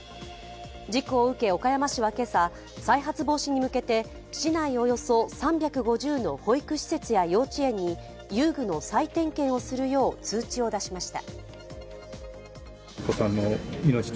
事故を受け岡山市は今朝、再発防止に向けて市内およそ３５０の保育施設や幼稚園に遊具の再点検をするよう通知を出しました。